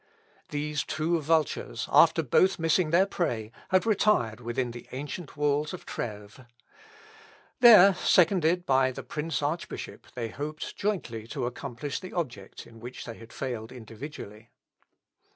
These two vultures, after both missing their prey, had retired within the ancient walls of Trèves. There, seconded by the Prince archbishop, they hoped jointly to accomplish the object in which they had failed individually.